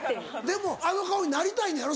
でもあの顔になりたいのやろ？